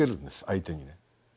相手にね。